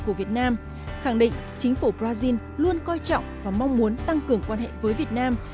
của việt nam khẳng định chính phủ brazil luôn coi trọng và mong muốn tăng cường quan hệ với việt nam